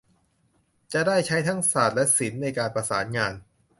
จะได้ใช้ทั้งศาสตร์และศิลป์ในการประสานงาน